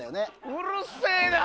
うるせえな！